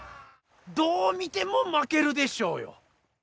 ⁉どう見ても負けるでしょうよ。